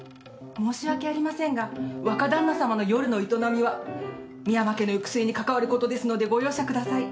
申し訳ありませんが若旦那さまの夜の営みは深山家の行く末に関わることですのでご容赦ください。